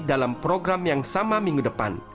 dalam program yang sama minggu depan